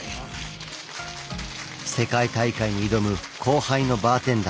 世界大会に挑む後輩のバーテンダーたち。